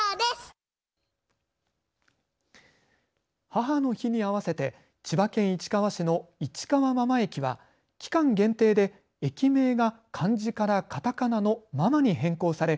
母の日に合わせて千葉県市川市の市川真間駅は期間限定で駅名が漢字からカタカナのママに変更され